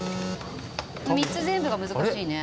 ３つ全部が難しいね。